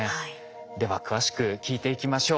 では詳しく聞いていきましょう。